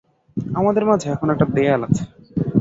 আমাদের মাঝে এখন একটা দেয়াল আছে।